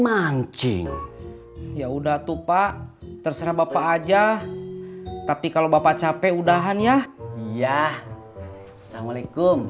mancing ya udah tuh pak terserah bapak aja tapi kalau bapak capek udahan ya iya assalamualaikum